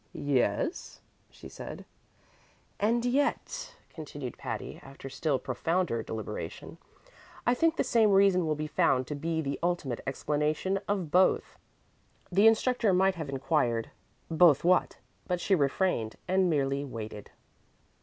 "Yes?" she said. "And yet," continued Patty, after still profounder deliberation, "I think the same reason will be found to be the ultimate explanation of both." The instructor might have inquired, "Both what?" but she refrained and merely waited.